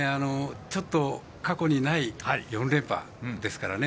ちょっと過去にない４連覇ですからね